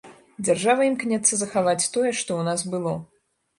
Дзяржава імкнецца захаваць тое, што ў нас было.